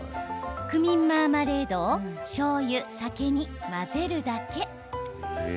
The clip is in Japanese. クミンマーマレードをしょうゆ、酒に混ぜるだけ。